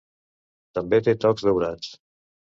També té tocs daurats.